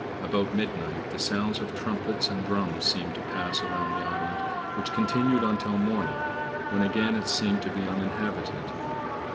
About midnight the sound of trumpets and drums seemed to pass around the island, which continued until morning, when again it seemed to be uninhabited.